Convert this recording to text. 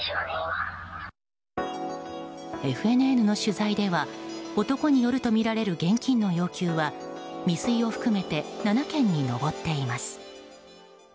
ＦＮＮの取材では男によるとみられる現金の要求は未遂を含めて７件に上っています。